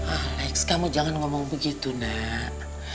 alex kamu jangan ngomong begitu nak